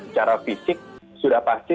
secara fisik sudah pasti